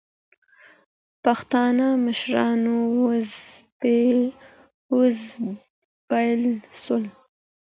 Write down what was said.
پښتانه مشران وځپل سول